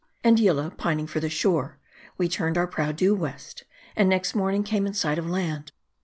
And Yillah pining for the shore, we turned our prow due west, and next morning came in sight of land.